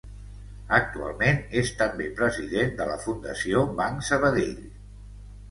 Actualment és també president de la Fundació Banc Sabadell.